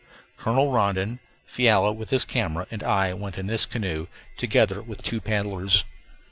Colonel Rondon, Fiala with his camera, and I went in this canoe, together with two paddlers.